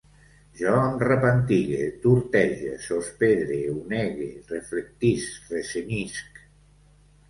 Jo em repantigue, tortege, sospedre, onege, reflectisc, recenyisc